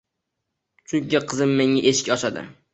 Chunki qizim menga eshik ochadi